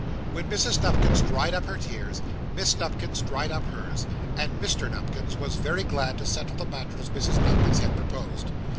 When Mrs. Nupkins dried up her tears, Miss Nupkins dried up hers, and Mr. Nupkins was very glad to settle the matter as Mrs. Nupkins had proposed.